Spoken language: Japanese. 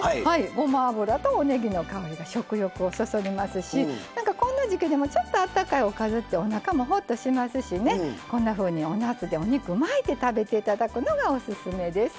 ごま油と、おねぎの香りが食欲をそそりますしこんな時季でもあったかいおかずっておなかも、ほっとしますしこんなふうに、おなすでお肉を巻いて食べるのがオススメです。